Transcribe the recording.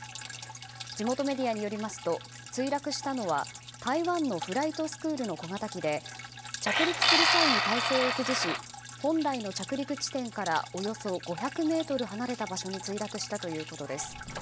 地元メディアによりますと墜落したのは台湾のフライトスクールの小型機で着陸する際に体勢を崩し本来の着陸地点からおよそ５００ｍ離れた場所に墜落したということです。